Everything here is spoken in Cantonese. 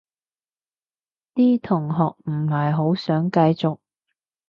啲同學唔係好想繼續